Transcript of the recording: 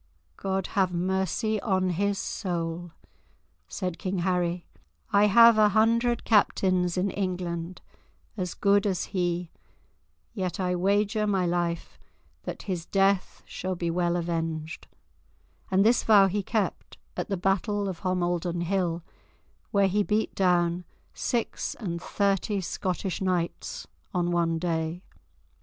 "God have mercy on his soul," said King Harry; "I have a hundred captains in England as good as he, yet I wager my life that his death shall be well avenged"; and this vow he kept, at the Battle of Homildon Hill, where he beat down six and thirty Scottish knights on one day.